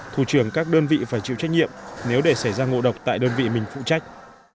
thủ trưởng các đơn vị phải chịu trách nhiệm nếu để xảy ra ngộ độc tại đơn vị mình phụ trách